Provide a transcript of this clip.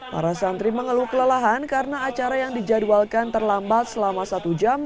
para santri mengeluh kelelahan karena acara yang dijadwalkan terlambat selama satu jam